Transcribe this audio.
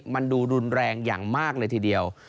มันดูรุนแรงอย่างมากเลยทีเดียว